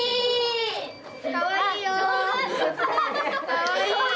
・かわいい！